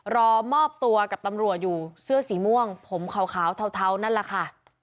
รอมอบตัวกับตำรวจอยู่เสื้อสีม่วงผมขาวเทานั่นแหละค่ะ